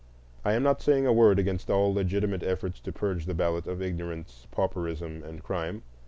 I am not saying a word against all legitimate efforts to purge the ballot of ignorance, pauperism, and crime.